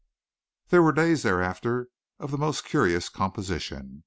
There were days thereafter of the most curious composition.